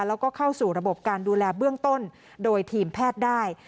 แล้วก็เข้าสู่ระบบการดูแลเบื้องต้นโดยทีมแพทย์ได้